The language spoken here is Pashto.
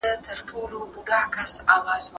هغه وايي، سر درد د مغز فعالیت اغېزمنوي.